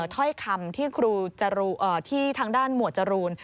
ถ้อยคำที่ทางด้านหมวดจรูน